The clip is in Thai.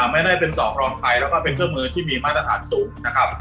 ไม่ได้เป็นสองรองใครแล้วก็เป็นเครื่องมือที่มีมาตรฐานสูงนะครับ